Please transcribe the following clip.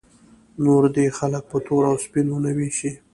نور دې خلک په تور او سپین ونه ویشي.